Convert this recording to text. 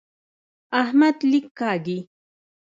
احمد لیک کاږي.